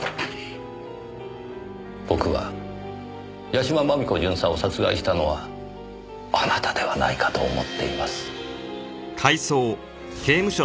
僕は屋島真美子巡査を殺害したのはあなたではないかと思っています。